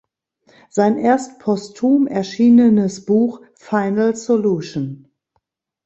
Sein erst postum erschienenes Buch "Final Solution.